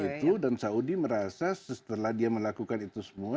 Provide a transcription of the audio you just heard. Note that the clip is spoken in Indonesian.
itu dan saudi merasa setelah dia melakukan itu semua